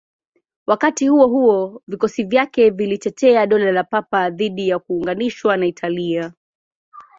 Wakati huo huo, vikosi vyake vilitetea Dola la Papa dhidi ya kuunganishwa na Italia.